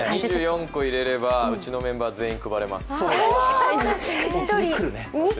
２４個入れれば、うちのメンバー全員に配れます。